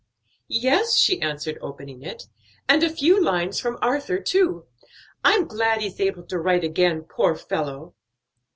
"Yes," she answered, opening it, "and a few lines from Arthur too. I'm glad he's able to write again, poor fellow!"